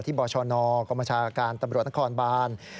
ที่บชนกรมชาการทำรวจนักครอนบ้าน